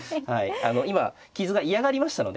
今傷が嫌がりましたので。